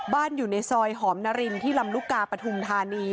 อยู่ในซอยหอมนารินที่ลำลูกกาปฐุมธานี